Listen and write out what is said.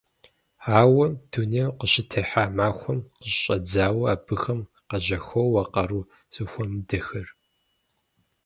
Ауэ, дунейм къыщытехьа махуэм къыщыщIэдзауэ абыхэм къажьэхоуэ къару зэхуэмыдэхэр.